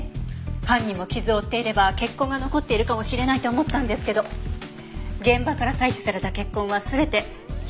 犯人も傷を負っていれば血痕が残っているかもしれないと思ったんですけど現場から採取された血痕は全て口さんのものでした。